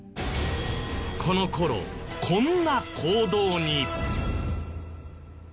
この頃こんな行動に。